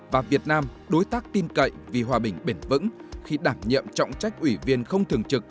và việt nam đối tác tin cậy vì hòa bình bền vững khi đảm nhiệm trọng trách ủy viên không thường trực